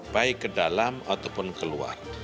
baik ke dalam ataupun keluar